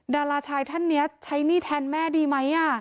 ดาราชายท่านนี้ใช้หนี้แทนแม่ดีไหม